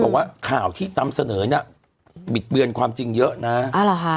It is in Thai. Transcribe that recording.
บอกว่าข่าวที่นำเสนอน่ะบิดเบือนความจริงเยอะนะอ่าเหรอฮะ